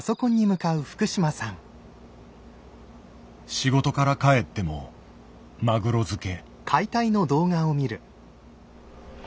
仕事から帰ってもマグロ漬け。